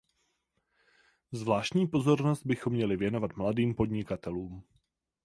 Zvláštní pozornost bychom měli věnovat mladým podnikatelům.